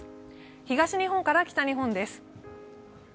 東日本から北日本です。